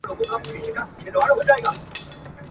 ستا په څېر مي هغه هم بلا د ځان دئ.